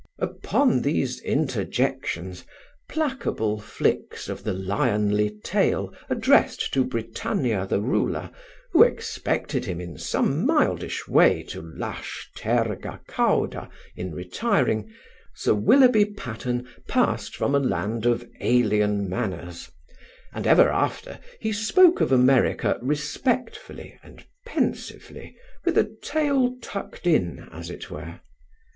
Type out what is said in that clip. Upon these interjections, placable flicks of the lionly tail addressed to Britannia the Ruler, who expected him in some mildish way to lash terga cauda in retiring, Sir Willoughby Patterne passed from a land of alien manners; and ever after he spoke of America respectfully and pensively, with a tail tucked in, as it were.